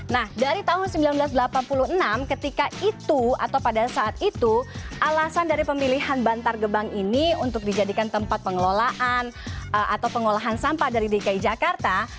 nah dari tahun seribu sembilan ratus delapan puluh enam ketika itu atau pada saat itu alasan dari pemilihan bantar gebang ini untuk dijadikan tempat pengelolaan atau pengolahan sampah dari dki jakarta